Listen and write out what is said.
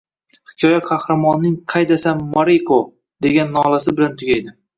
Hikoya qahramonning «Qaydasan, Moriko», — dеgan nolasi bilan tugaydi.